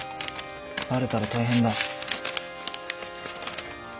バレたら大変だ。